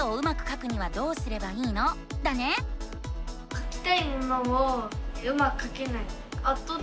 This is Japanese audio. かきたいものをうまくかけない。